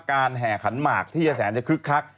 การแห่ขันหมากที่อย่าแสงจะคลึกคลัก